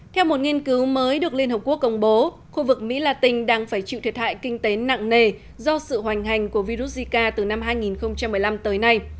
theo một nghiên cứu mới được liên hợp quốc công bố khu vực mỹ latin đang phải chịu thiệt hại kinh tế nặng nề do sự hoành hành của virus zika từ năm hai nghìn một mươi năm tới nay